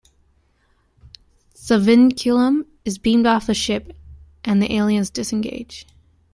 The vinculum is beamed off the ship and the aliens disengage.